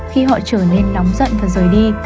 khi họ trở nên nóng giận và rời đi